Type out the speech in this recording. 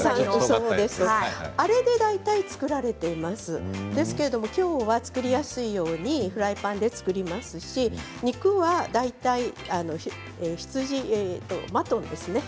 あれで大体作られていますんですけれども、きょうは作りやすいようにフライパンで作りますし肉は大体羊、マトンですね。